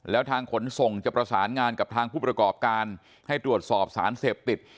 แล้วทางขนส่งจะประสานงานกับทางผู้ประกอบการให้ตรวจสอบสารเสพติด